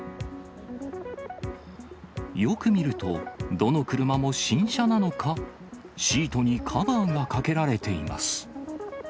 よく見ると、どの車も新車なのか、シートにカバーがかけられています。